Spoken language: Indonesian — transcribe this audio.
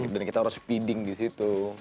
dan kita harus speeding di situ